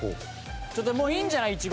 ちょっともういいんじゃない？